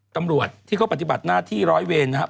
ตำรวจที่เขาปฏิบัติหน้าที่ร้อยเวรนะครับ